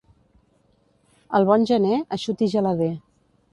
El bon gener, eixut i gelader.